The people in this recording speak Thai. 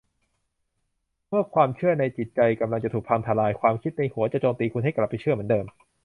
เมื่อความเชื่อในจิตใจกำลังจะถูกพังทะลาย ความคิดในหัวจะโจมตีคุณให้กลับไปเชื่อเหมือนเดิม